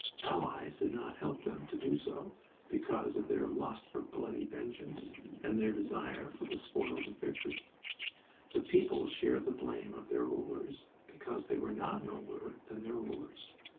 The Allies did not help them to do so, because of their lust for bloody vengeance and their desire for the spoils of victory. The peoples shared the blame of their rulers because they were not nobler than their rulers.